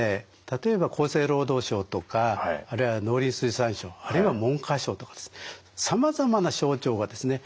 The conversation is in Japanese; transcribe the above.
例えば厚生労働省とかあるいは農林水産省あるいは文科省とかですさまざまな省庁がですね